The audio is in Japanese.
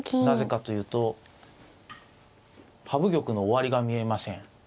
なぜかというと羽生玉の終わりが見えません。